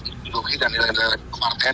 industri dan lain lain kepartian